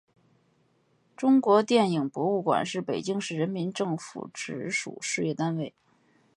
中国电影博物馆是北京市人民政府直属事业单位。